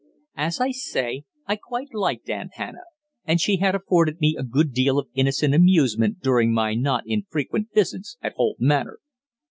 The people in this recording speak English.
As I say, I quite liked Aunt Hannah, and she had afforded me a good deal of innocent amusement during my not infrequent visits at Holt Manor.